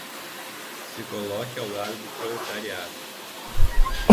se coloque ao lado do proletariado